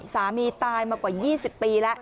สามีตายมากว่า๒๐ปีแล้ว